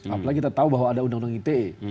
apalagi kita tahu bahwa ada undang undang ite